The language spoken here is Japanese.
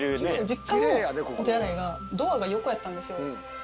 実家のお手洗いがドアが横やったんですよ。